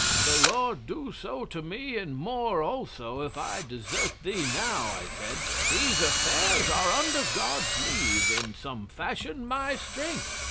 The Lord do so to me and more also if I desert thee now," I said. "These affairs are, under God's leave, in some fashion my strength."